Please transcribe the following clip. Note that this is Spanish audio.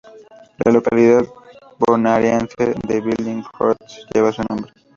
La localidad bonaerense de Billinghurst lleva su nombre.